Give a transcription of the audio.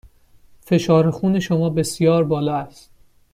فشار خون شما بسیار بالا است.